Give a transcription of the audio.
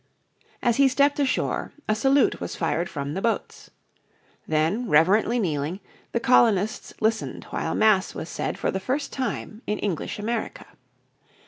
As he stepped ashore a salute was fired from the boats. Then, reverently kneeling, the colonists listened while Mass was said for the first time in English America.